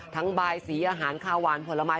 ทั้งบายสีอาหารคาววานผลไม้